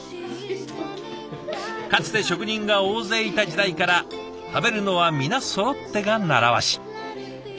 かつて職人が大勢いた時代から食べるのは皆そろってが習わし。